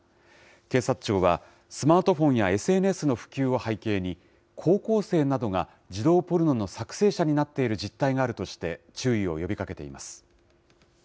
警察庁は、スマートフォンやＳＮＳの普及を背景に、高校生などが児童ポルノの作成者になっている実態があるとして、注意を呼びかけています。